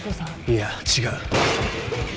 いや違う。